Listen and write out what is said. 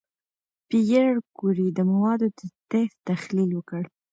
پېیر کوري د موادو د طیف تحلیل وکړ.